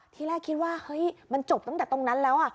ทีแรกคิดว่าเฮ้ยมันจบตั้งแต่ตรงนั้นแล้ว